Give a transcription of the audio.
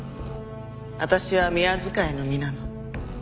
私は宮仕えの身なの。